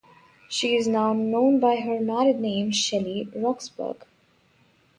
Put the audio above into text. She is now known by her married name Shelley Roxburgh.